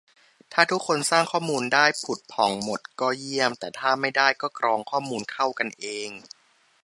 ถ้าทุกคนสร้างข้อมูลได้ผุดผ่องหมดก็เยี่ยม แต่ถ้าไม่ได้ก็กรองข้อมูลเข้ากันเอง